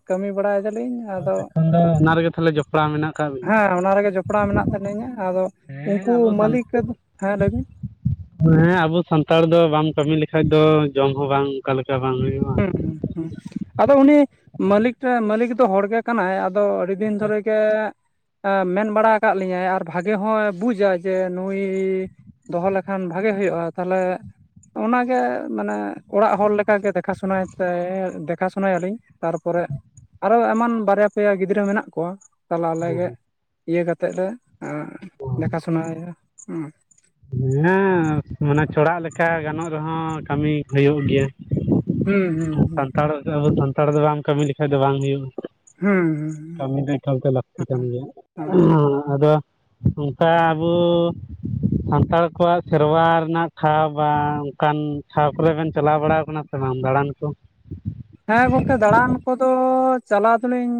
[SPEAKER 1] ᱠᱟᱹᱢᱤ ᱵᱟᱲᱟᱭ ᱫᱟᱞᱤᱧ ᱟᱫᱚ
[SPEAKER 2] ᱮᱠᱷᱚᱱ ᱫᱚ ᱚᱱᱟ ᱨᱮᱜᱮ ᱛᱟᱦᱚᱞᱮ ᱡᱚᱯᱲᱟᱣ ᱢᱮᱱᱟᱜ ᱟᱠᱟᱫ ᱵᱤᱱᱟ
[SPEAKER 1] ᱦᱮᱸ ᱚᱱᱟ ᱨᱮᱜᱮ ᱡᱚᱯᱲᱟᱣ ᱢᱮᱱᱟᱜ ᱛᱟᱹᱞᱤᱧᱟ ᱟᱫᱚ
[SPEAKER 2] ᱦᱮᱸ
[SPEAKER 1] ᱩᱱᱠᱩ
[SPEAKER 2] ᱟᱵᱚ ᱥᱟᱱ
[SPEAKER 1] ᱢᱟᱹᱞᱤᱠ ᱦᱮᱸ ᱞᱟᱹᱭᱵᱤᱱ
[SPEAKER 2] ᱦᱮᱸ ᱟᱵᱚ ᱥᱟᱱᱛᱟᱲ ᱫᱚ ᱵᱟᱢ ᱠᱟᱹᱢᱤ ᱞᱮᱠᱷᱟᱡᱽ ᱫᱚ ᱡᱚᱢ ᱦᱚᱸ ᱵᱟᱝ ᱚᱠᱟᱞᱮᱠᱟ ᱵᱟᱝ ᱦᱩᱭᱩᱜᱼᱟ ᱾
[SPEAKER 1] ᱦᱩᱸ ᱦᱮᱸ ᱦᱮᱸ ᱟᱫᱚ ᱩᱱᱤ ᱢᱟᱹᱞᱤᱠ ᱢᱟᱹᱞᱤᱠ ᱫᱚ ᱦᱚᱲ ᱜᱮ ᱠᱟᱱᱟᱭ ᱟᱫᱚ ᱟᱹᱰᱤ ᱫᱤᱱ
[SPEAKER 2] ᱟᱪᱪᱷᱟ
[SPEAKER 1] ᱫᱷᱚᱨᱮ
[SPEAKER 2] ᱟᱪᱪᱷᱟ
[SPEAKER 1] ᱜᱮ ᱢᱮᱱ ᱵᱟᱲᱟ ᱟᱠᱟᱫ ᱞᱤᱧᱟᱭ ᱟᱨ ᱵᱷᱟᱜᱮ ᱦᱚᱲ ᱵᱩᱡᱟᱭ ᱡᱮ ᱱᱩᱭ ᱫᱚᱦᱚ ᱞᱮᱠᱷᱟᱱ ᱵᱷᱟᱜᱮ ᱦᱩᱭᱩᱜᱼᱟ᱾ ᱛᱟᱦᱞᱮ ᱚᱱᱟᱜᱮ ᱢᱟᱱᱮ ᱚᱲᱟᱜ ᱦᱚᱲ ᱞᱮᱠᱟ ᱜᱮ [unintelligible] ᱛᱮ ᱫᱮᱠᱷᱟ ᱥᱩᱱᱟ ᱭᱟᱹᱞᱤᱧ ᱛᱟᱨᱯᱚᱨᱮ ᱟᱨᱚ ᱮᱢᱟᱱ ᱵᱟᱨᱭᱟ ᱯᱮᱭᱟ ᱜᱤᱫᱽᱨᱟᱹ ᱢᱮᱱᱟᱜ ᱠᱚᱣᱟ᱾ ᱛᱟᱦᱚᱞᱮ ᱟᱞᱮ
[SPEAKER 2] ᱦᱮᱸ
[SPEAKER 1] ᱤᱭᱟᱹ ᱠᱟᱛᱮᱫ ᱞᱮ ᱟᱸ
[SPEAKER 2] ᱦᱮᱸ
[SPEAKER 1] ᱫᱮᱠᱷᱟ ᱥᱩᱱᱟᱭᱮᱭᱟ᱾
[SPEAKER 2] ᱦᱮᱸ ᱢᱟᱱᱮ ᱪᱷᱚᱲᱟᱜ ᱞᱮᱠᱟ ᱜᱟᱱᱚᱜ ᱨᱮᱦᱚᱸ ᱠᱟᱹᱢᱤ ᱦᱩᱭᱩᱜ ᱜᱮᱭᱟ᱾
[SPEAKER 1] ᱦᱩᱸ ᱦᱩᱸ
[SPEAKER 2] ᱥᱟᱱᱛᱟᱲ ᱟᱵᱚ ᱥᱟᱱᱛᱟᱲ ᱫᱚ ᱵᱟᱢ ᱠᱟᱹᱢᱤ ᱞᱮᱠᱷᱟᱡ ᱫᱚ ᱵᱟᱝ ᱦᱩᱭᱩᱜᱼᱟ᱾
[SPEAKER 1] ᱦᱩᱸ ᱦᱩᱸ
[SPEAKER 2] ᱠᱟᱹᱢᱤ ᱫᱚ ᱮᱠᱟᱞ ᱜᱮ ᱞᱟᱹᱠᱛᱤ ᱠᱟᱱ ᱜᱮᱭᱟ
[SPEAKER 1] ᱦᱩᱸ
[SPEAKER 2] ᱦᱚᱸ ᱟᱫᱚᱼᱼᱼ ᱚᱱᱠᱟ ᱟᱵᱚ ᱥᱟᱱᱛᱟᱲ ᱠᱚᱣᱟᱜ ᱥᱮᱨᱣᱟ ᱨᱮᱱᱟᱜ ᱴᱷᱟᱶ ᱵᱟ ᱚᱱᱠᱟᱱ ᱴᱷᱟᱶ ᱠᱚᱨᱮ ᱵᱮᱱ ᱪᱟᱞᱟᱣ ᱵᱟᱲᱟ ᱠᱟᱱᱟ᱾ ᱥᱮ ᱵᱟᱜ ᱫᱟᱬᱟᱱ ᱠᱚ
[SPEAKER 1] ᱦᱮᱸ ᱜᱚᱝᱠᱮ ᱫᱟᱬᱟᱱ ᱠᱚᱫᱚ ᱪᱟᱞᱟᱣ ᱫᱚᱞᱤᱧ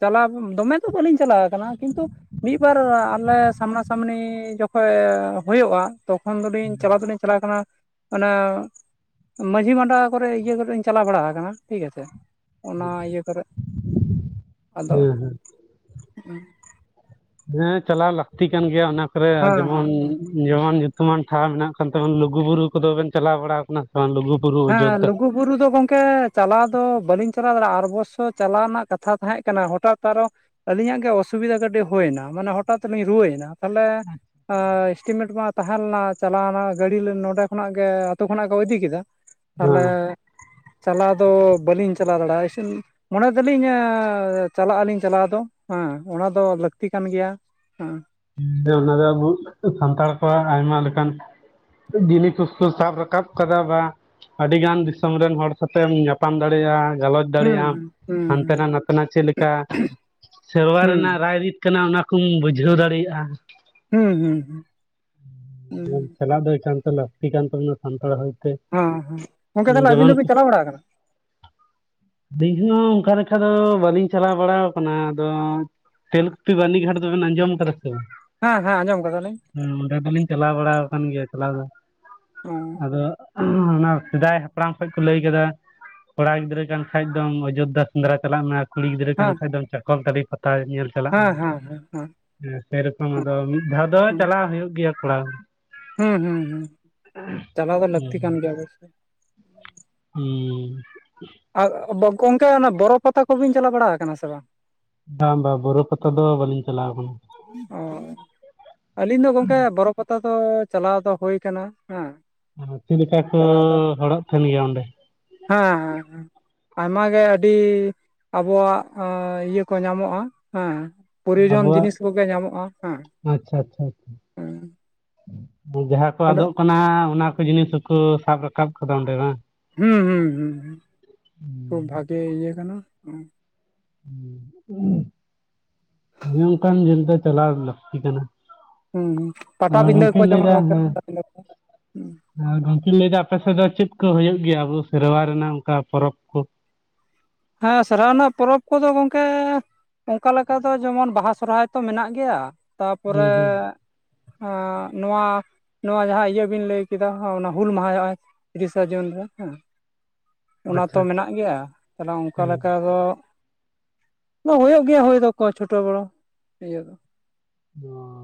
[SPEAKER 1] ᱪᱟᱞᱟᱣ ᱫᱚ ᱢᱮ ᱫᱚ ᱵᱟᱹᱞᱤᱧ ᱪᱟᱞᱟᱣ ᱠᱟᱱᱟ ᱠᱤᱱᱛᱩ ᱢᱤᱫ ᱵᱟᱨ ᱟᱞᱮ ᱥᱟᱢᱱᱟ ᱥᱟᱢᱱᱤ ᱡᱚᱠᱷᱚᱱ ᱦᱩᱭᱩᱜᱼᱟ᱾ ᱛᱚᱠᱷᱚᱱ ᱫᱚᱞᱤᱧ ᱪᱟᱞᱟᱣ ᱫᱚᱞᱤᱧ ᱪᱟᱞᱟᱣ ᱠᱟᱱᱟ ᱚᱱᱟ ᱢᱟᱹᱡᱷᱤ ᱢᱟᱰᱚᱣᱟ ᱠᱚᱨᱮ ᱤᱭᱟᱹ ᱠᱚᱨᱮᱧ ᱪᱟᱞᱟᱣ ᱵᱟᱲᱟ ᱟᱠᱟᱱᱟ᱾ ᱴᱷᱤᱠ ᱟᱪᱷᱮ ᱚᱱᱟ ᱤᱭᱟᱹ ᱠᱚᱨᱮ ᱟᱫᱚ
[SPEAKER 2] ᱦᱮᱸ ᱦᱮᱸ ᱪᱟᱞᱟᱣ ᱞᱟᱹᱠᱛᱤ ᱠᱟᱱ ᱜᱮᱭᱟ ᱚᱱᱟ ᱠᱚᱨᱮ ᱟᱨ
[SPEAKER 1] ᱦᱮᱸ
[SPEAKER 2] ᱡᱮᱢᱚᱱ ᱡᱮᱢᱚᱱ ᱧᱩᱛᱩᱢᱟᱱ ᱴᱷᱟᱶ ᱢᱮᱱᱟᱜ ᱛᱮᱢᱚᱱ, ᱞᱩᱜᱩ ᱵᱩᱨᱩ ᱠᱚᱫᱚᱵᱮᱱ ᱪᱟᱞᱟᱣ ᱵᱟᱲᱟ ᱟᱠᱟᱱᱟ ᱥᱮ ᱵᱟᱝ? ᱞᱩᱜᱩ ᱵᱩᱨᱩ
[SPEAKER 1] ᱦᱮᱸ
[SPEAKER 2] ᱚᱡᱳᱫᱽᱫᱷᱟ
[SPEAKER 1] ᱞᱩᱜᱩ ᱵᱩᱨᱩ ᱫᱚ ᱜᱚᱝᱠᱮ ᱪᱟᱞᱟᱣ ᱫᱚ ᱵᱟᱹᱞᱤᱧ ᱪᱟᱞᱟᱣ ᱫᱟᱲᱮᱭᱟᱜᱼᱟ᱾ ᱟᱨ ᱚᱵᱚᱥᱥᱚ ᱪᱟᱞᱟᱣ ᱨᱮᱱᱟᱜ ᱠᱟᱛᱷᱟ ᱛᱟᱦᱮᱸ ᱠᱟᱱᱟ᱾ ᱦᱚᱴᱟᱛ ᱟᱨᱚ ᱟᱹᱞᱤᱧᱟᱜ ᱜᱮ ᱚᱥᱩᱵᱤᱫᱟ ᱠᱟᱹᱴᱤᱡ ᱦᱩᱭᱱᱟ᱾ ᱢᱟᱱᱮ ᱦᱚᱴᱟᱛ ᱛᱮ ᱞᱤᱧ ᱨᱩᱣᱟᱹᱭ ᱮᱱᱟ᱾ ᱛᱟᱦᱚᱞᱮ ᱮᱥᱴᱤᱢᱮᱴ ᱢᱟ ᱛᱟᱦᱮᱸ ᱞᱮᱱᱟ ᱪᱟᱞᱟᱣᱱᱟ᱾ ᱜᱟᱹᱰᱤ ᱱᱚᱰᱮ ᱠᱷᱚᱱᱟᱜ ᱜᱮ ᱟᱹᱛᱩ ᱠᱷᱚᱱᱟᱜ ᱠᱚ ᱤᱫᱤ ᱠᱮᱫᱟ ᱛᱟᱦᱚᱞᱮ
[SPEAKER 2] ᱦᱮᱸ
[SPEAKER 1] ᱪᱟᱞᱟᱣ ᱫᱚ ᱵᱟᱹᱞᱤᱧ ᱪᱟᱞᱟᱣ ᱫᱟᱲᱮᱭᱟᱜᱼᱟ ᱥᱤᱱ ᱢᱚᱱᱮ ᱫᱟᱞᱤᱧ ᱪᱟᱞᱟᱜ ᱟᱹᱞᱤᱧ ᱪᱟᱞᱟᱣ ᱫᱚ, ᱦᱮᱸ ᱚᱱᱟ ᱫᱚ ᱞᱟᱹᱠᱛᱤ ᱠᱟᱱ ᱜᱮᱭᱟ᱾ ᱦᱮᱸ [unintelligible]
[SPEAKER 2] ᱦᱮᱸᱚᱱᱟ ᱫᱚ ᱟᱵᱚ ᱥᱟᱱᱛᱟᱲ ᱠᱚᱣᱟᱜ ᱟᱭᱢᱟ ᱞᱮᱠᱟᱱ ᱡᱤᱱᱤ ᱠᱚ ᱥᱟᱵ ᱨᱟᱠᱟᱵ ᱠᱟᱫᱟᱵᱟ ᱟᱹᱰᱤ ᱜᱟᱱ ᱫᱤᱥᱚᱢ ᱨᱮᱱ ᱦᱚᱲ ᱥᱟᱛᱮᱢ ᱧᱟᱯᱟᱢ ᱫᱟᱲᱮᱭᱟᱜᱼᱟ᱾ ᱜᱟᱞᱚᱪ ᱫᱟᱲᱮᱭᱟᱜ
[SPEAKER 1] ᱦᱩᱸ
[SPEAKER 2] ᱟᱢ ᱦᱟᱱᱛᱮ
[SPEAKER 1] ᱦᱩᱸ
[SPEAKER 2] ᱱᱟ ᱱᱟᱛᱮᱱᱟᱜ ᱪᱮᱫ ᱞᱮᱠᱟ᱾ ᱥᱮᱨᱣᱟ
[SPEAKER 1] ᱦᱩᱸ ᱦᱩᱸ
[SPEAKER 2] ᱨᱮᱱᱟᱜ ᱨᱟᱭ ᱨᱤᱛ ᱠᱟᱱᱟ ᱚᱱᱟᱠᱚᱢ ᱵᱩᱡᱷᱟᱹᱣ ᱫᱟᱲᱮᱭᱟᱜ-ᱟ᱾
[SPEAKER 1] ᱦᱩᱸ ᱦᱩᱸ ᱦᱩᱸ ᱦᱩᱸ
[SPEAKER 2] ᱪᱟᱞᱟᱜ ᱫᱚ ᱮᱠᱟᱞ ᱛᱮ ᱞᱟᱹᱠᱛᱤ ᱠᱟᱱ ᱛᱚ ᱥᱟᱱᱛᱟᱲ
[SPEAKER 1] ᱦᱮᱸ ᱦᱮᱸ ᱜᱚᱝᱠᱮ ᱛᱟᱦᱞᱮ ᱟᱹᱵᱤᱱ
[SPEAKER 2] ᱡᱮᱢᱚᱱ
[SPEAKER 1] ᱫᱚᱵᱤᱱ ᱪᱟᱞᱟᱣ ᱵᱟᱲᱟᱜ ᱠᱟᱱᱟ᱾
[SPEAKER 2] ᱟᱹᱞᱤᱧ ᱦᱚᱸ ᱚᱱᱠᱟ ᱞᱮᱠᱟ ᱫᱚ ᱵᱟᱹᱞᱤᱧ ᱪᱟᱞᱟᱣ ᱵᱟᱲᱟ ᱟᱠᱟᱱᱟ ᱟᱫᱚ ᱛᱮᱞᱠᱤᱯᱤ ᱵᱟᱨᱱᱤ ᱜᱷᱟᱴ ᱫᱚ ᱵᱤᱱ ᱟᱸᱡᱚᱢᱟ ᱥᱮ ᱵᱟᱝ?
[SPEAKER 1] ᱦᱮᱸ ᱦᱮᱸ ᱟᱸᱡᱚᱢ ᱠᱟᱫᱟᱞᱤᱧ᱾
[SPEAKER 2] ᱦᱮᱸ ᱚᱸᱰᱮ ᱫᱚᱞᱤᱧ ᱪᱟᱞᱟᱣ ᱵᱟᱲᱟ ᱟᱠᱟᱱ ᱜᱮᱭᱟ ᱪᱟᱞᱟᱣ ᱫᱚ
[SPEAKER 1] ᱚ
[SPEAKER 2] ᱟᱫᱚ ᱚᱱᱟ ᱥᱮᱫᱟᱭ ᱦᱟᱯᱲᱟᱢ ᱠᱷᱚᱱᱚᱡ ᱠᱚ ᱞᱟᱹᱭ ᱠᱮᱫᱟ ᱠᱚᱲᱟ ᱜᱤᱫᱽᱨᱟᱹ ᱠᱟᱱ ᱠᱷᱟᱡ ᱫᱚᱢ ᱚᱡᱳᱫᱽᱫᱷᱟ ᱥᱮᱸᱫᱽᱨᱟ ᱪᱟᱞᱟᱜ ᱢᱮ ᱠᱩᱲᱤ ᱜᱤᱫᱽᱨᱟᱹ ᱠᱟᱱ
[SPEAKER 1] ᱦᱮᱸ
[SPEAKER 2] ᱠᱷᱟᱱᱡ ᱫᱚᱢ ᱪᱟᱠᱚᱞ ᱯᱟᱛᱟ ᱧᱮᱞ ᱪᱟᱞᱟᱜᱼᱢᱮ,
[SPEAKER 1] ᱦᱮᱸ ᱦᱮᱸ ᱦᱮᱸ ᱦᱮᱸ
[SPEAKER 2] ᱥᱮᱨᱚᱠᱚᱢ ᱟᱫᱚ ᱢᱤᱫ ᱫᱷᱟᱣ ᱫᱚ ᱪᱟᱞᱟᱣ ᱦᱩᱭᱩᱜ ᱜᱮᱭᱟ ᱠᱚᱲᱟ᱾
[SPEAKER 1] ᱦᱩᱸ ᱦᱩᱸ ᱦᱩᱸ ᱪᱟᱞᱟᱣ ᱫᱚ ᱞᱟᱹᱠᱛᱤ
[SPEAKER 2] ᱦᱩᱸ
[SPEAKER 1] ᱠᱟᱱ ᱜᱮᱭᱟ ᱟᱫᱚᱼᱼᱼ
[SPEAKER 2] ᱦᱩᱸ
[SPEAKER 1] ᱟ ᱜᱚᱝᱠᱮ ᱚᱱᱟ ᱵᱚᱨᱚ ᱯᱟᱛᱟ ᱠᱚᱵᱤᱱ ᱪᱟᱞᱟᱣ ᱵᱟᱲᱟ ᱟᱠᱟᱱᱟ ᱥᱮ ᱵᱟᱝ?
[SPEAKER 2] ᱵᱟᱝ ᱵᱟᱝ ᱵᱚᱨᱚ ᱯᱟᱛᱟ ᱫᱚ ᱵᱟᱹᱞᱤᱧ ᱪᱟᱞᱟᱣ ᱟᱠᱟᱱᱟ᱾
[SPEAKER 1] ᱚ ᱟᱹᱞᱤᱧ ᱫᱚ ᱜᱚᱢᱠᱮ ᱵᱚᱨᱚᱯᱟᱛᱟ ᱫᱚ, ᱪᱟᱞᱟᱣ ᱫᱚ ᱦᱩᱭᱩ ᱠᱟᱱᱟ ᱦᱮᱸ
[SPEAKER 2] ᱫᱚ ᱪᱮᱫ ᱞᱮᱠᱟ ᱠᱚ
[SPEAKER 1] ᱪᱟᱞᱟᱣ ᱫᱚ
[SPEAKER 2] ᱦᱚᱲᱚᱜ ᱛᱟᱦᱮᱱ ᱜᱮᱭᱟ ᱚᱸᱰᱮ?
[SPEAKER 1] ᱦᱮᱸ ᱦᱮᱸ ᱦᱮᱸ ᱟᱭᱢᱟ ᱜᱮ ᱟᱹᱰᱤ ᱟᱵᱚᱣᱟᱜ ᱤᱭᱟᱹ ᱠᱚ ᱧᱟᱢᱚᱜ-ᱟ᱾ ᱦᱮᱸ ᱯᱨᱳᱨᱤᱡᱚᱱ
[SPEAKER 2] ᱟᱵᱚᱣᱟᱜ
[SPEAKER 1] ᱡᱤᱱᱤᱥ ᱠᱚᱜᱮ ᱧᱟᱢᱚᱜ-ᱟ᱾ ᱦᱮᱸ
[SPEAKER 2] ᱟᱪᱪᱷᱟ ᱟᱪᱪᱷᱟ ᱡᱟᱦᱟᱸ ᱠᱚ
[SPEAKER 1] ᱚᱸᱰᱮ
[SPEAKER 2] ᱟᱫᱚᱜ ᱠᱟᱱᱟ ᱚᱱᱟ ᱡᱤᱱᱤᱥ ᱦᱚᱸᱠᱩ ᱥᱟᱵ ᱨᱟᱠᱟᱵ ᱠᱟᱫᱟ ᱚᱸᱰᱮ ᱵᱟᱝ
[SPEAKER 1] ᱦᱩᱸ ᱦᱩᱸ ᱦᱩᱸ ᱠᱷᱩᱵ ᱵᱷᱟᱜᱮ ᱤᱭᱟᱹ ᱠᱟᱱᱟ
[SPEAKER 2] ᱚᱱᱠᱟᱱ ᱧᱮᱞ ᱫᱚ ᱪᱟᱞᱟᱣ ᱞᱟᱹᱠᱛᱤ ᱠᱟᱱᱟ
[SPEAKER 1] ᱦᱩᱸ ᱯᱟᱴᱟᱵᱤᱸᱰᱟᱹ ᱠᱚ
[SPEAKER 2] ᱜᱚᱝᱠᱮᱧ
[SPEAKER 1] ᱡᱮᱢᱚᱱ
[SPEAKER 2] ᱞᱟᱹᱭᱫᱟ
[SPEAKER 1] ᱜᱚᱝᱠᱮ
[SPEAKER 2] ᱦᱮᱸ
[SPEAKER 1] ᱯᱟᱴᱟᱵᱤᱸᱷᱟᱹ ᱠᱚ ᱦᱩᱸ
[SPEAKER 2] ᱟᱨ ᱜᱚᱝᱠᱮ ᱞᱟᱹᱭᱮᱫᱟ ᱟᱯᱮ ᱥᱮᱫ ᱫᱚ ᱪᱮᱫ ᱠᱚ ᱦᱩᱭᱩᱜᱭᱳ ᱜᱮᱭᱟ ᱟᱵᱚ ᱥᱮᱨᱣᱟ ᱨᱮᱱᱟᱜ ᱚᱱᱠᱟ ᱯᱚᱨᱚᱵᱽ ᱠᱚ
[SPEAKER 1] ᱦᱮᱸ ᱥᱮᱣᱟᱭ ᱨᱮᱱᱟᱜ ᱯᱚᱨᱚᱵᱽ ᱠᱚᱫᱚ ᱜᱚᱢᱠᱮ ᱚᱱᱠᱟ ᱞᱮᱠᱟ ᱫᱚ ᱡᱮᱢᱚᱱ ᱵᱟᱦᱟ ᱥᱚᱨᱦᱟᱭ ᱛᱚ ᱢᱮᱱᱟᱜ ᱜᱮᱭᱟ ᱛᱟᱨᱯᱚᱨᱮ
[SPEAKER 2] ᱦᱩᱸ ᱦᱩᱸ
[SPEAKER 1] ᱮᱸ ᱱᱚᱣᱟ ᱱᱚᱣᱟ ᱡᱟᱦᱟᱸ ᱤᱭᱟᱹ ᱵᱤᱱ ᱞᱟᱹᱭ ᱠᱮᱫᱟ ᱚᱱᱟ ᱦᱩᱞ ᱢᱟᱦᱟ ᱦᱩᱭᱩᱜ-ᱟ ᱛᱤᱨᱤᱥᱟ ᱡᱩᱱ ᱨᱮ ᱦᱮᱸ ᱚᱱᱟ
[SPEAKER 2] ᱟᱪᱪᱷᱟ
[SPEAKER 1] ᱛᱚ
[SPEAKER 2] ᱟᱪᱪᱷᱟ
[SPEAKER 1] ᱢᱮᱱᱟᱜ ᱜᱮᱭᱟ ᱛᱟᱦᱚᱞᱮ ᱚᱱᱠᱟ
[SPEAKER 2] ᱦᱮᱸ
[SPEAKER 1] ᱞᱮᱠᱟ ᱫᱚ ᱦᱩᱭᱩᱜ ᱜᱮᱭᱟ ᱦᱩᱭ ᱫᱚᱠᱚ ᱪᱷᱳᱴᱳ ᱵᱚᱲᱚ ᱤᱭᱟᱹ ᱫᱚ
[SPEAKER 2] ᱚ